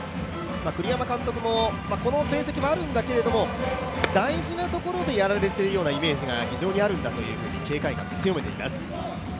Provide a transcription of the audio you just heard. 栗山監督もこの成績もあるんだけれども大事なところでやられているようなイメージが非常にあるんだと警戒感を強めています。